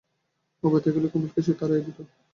উপায় থাকিলে কুমুদকে সে তাড়াইয়া দিত।